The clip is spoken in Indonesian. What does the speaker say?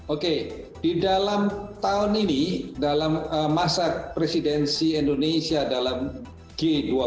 oke di dalam tahun ini dalam masa presidensi indonesia dalam g dua puluh